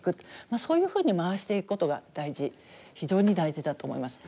そういうふうに回していくことが大事非常に大事だと思います。